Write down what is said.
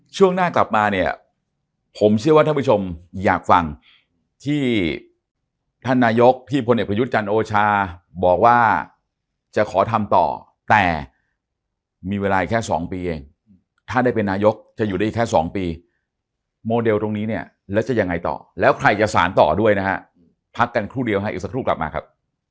ช่วงหน้ากลับมาเนี่ยผมเชื่อว่าท่านผู้ชมอยากฟังที่ท่านนายกที่พลเอกประยุทธ์จันทร์โอชาบอกว่าจะขอทำต่อแต่มีเวลาแค่๒ปีเองถ้าได้เป็นนายกจะอยู่ได้อีกแค่๒ปีโมเดลตรงนี้เนี่ยแล้วจะยังไงต่อแล้วใครจะสารต่อด้วยนะฮะพักกันครู่เดียวฮะอีกสักครู่กลับมาครับ